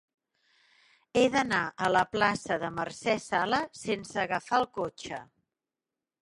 He d'anar a la plaça de Mercè Sala sense agafar el cotxe.